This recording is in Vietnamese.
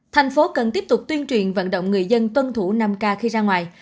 tp hcm cần tiếp tục tuyên truyền vận động người dân tuân thủ năm k khi ra ngoài